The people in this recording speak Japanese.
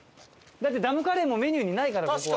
だってダムカレーもメニューにないからここは。